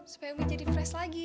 supaya umi jadi fresh lagi